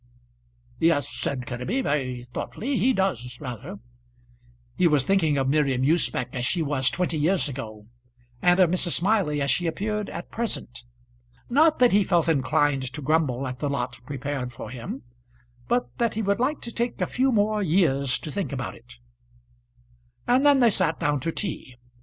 "Yes," said Kenneby, very thoughtfully, "he does rather." He was thinking of Miriam Usbech as she was twenty years ago, and of Mrs. Smiley as she appeared at present. Not that he felt inclined to grumble at the lot prepared for him, but that he would like to take a few more years to think about it. And then they sat down to tea.